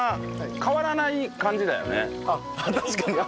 確かに。